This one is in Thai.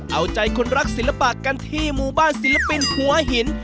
เอาใจคนรักศิลปะกันที่หมู่บ้านศิลปินหัวหิน